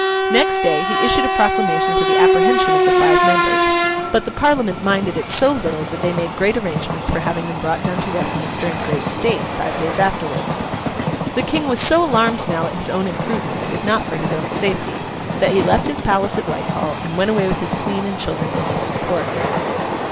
Next day, he issued a proclamation for the apprehension of the five members; but the Parliament minded it so little that they made great arrangements for having them brought down to Westminster in great state, five days afterwards. The King was so alarmed now at his own imprudence, if not for his own safety, that he left his palace at Whitehall, and went away with his Queen and children to Hampton Court.